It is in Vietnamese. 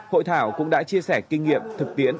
hội thảo cũng đã chia sẻ kinh nghiệm thực tiễn